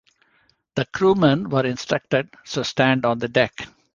The crew men were instructed to stand on the deck.